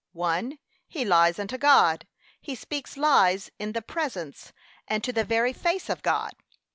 1. He lies unto God: he speaks lies in the presence, and to the very face of God.